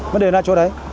vấn đề ra chỗ đấy